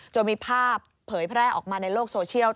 มีภาพเผยแพร่ออกมาในโลกโซเชียล